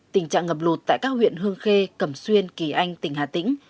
tình trạng ngập lụt tại các huyện hương khê cẩm xuyên kỳ anh tỉnh hà tĩnh